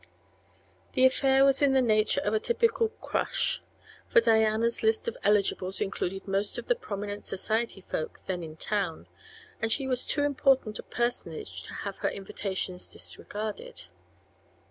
The affair was in the nature of a typical "crush," for Diana's list of eligibles included most of the prominent society folk then in town, and she was too important a personage to have her invitations disregarded.